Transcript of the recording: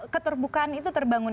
keterbukaan itu terbangun